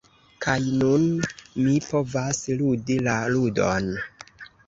Kaj nun, mi povas ludi la ludon!